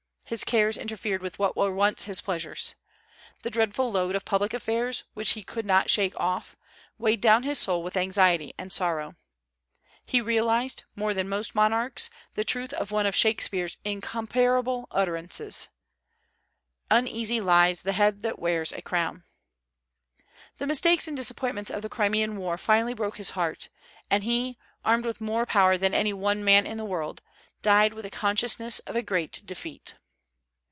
His cares interfered with what were once his pleasures. The dreadful load of public affairs, which he could not shake off, weighed down his soul with anxiety and sorrow. He realized, more than most monarchs, the truth of one of Shakespeare's incomparable utterances, "Uneasy lies the head that wears a crown." The mistakes and disappointments of the Crimean war finally broke his heart; and he, armed with more power than any one man in the world, died with the consciousness of a great defeat.